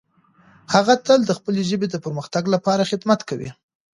هغه تل د خپلې ژبې د پرمختګ لپاره خدمت کوي.